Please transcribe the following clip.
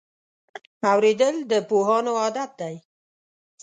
اورېدل د پوهانو عادت دی.